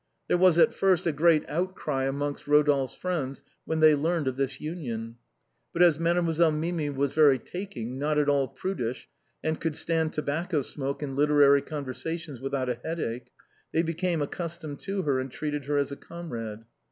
There was at first a great outcry amongst Rodolphe's friends when they learned this union, but as Mademoiselle Mimi was very taking, not at all prudish, and could stand tobacco smoke and literary con versations without a headache, they became accustomed to her and treated her as a comrade.